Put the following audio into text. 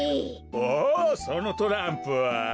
おおそのトランプは。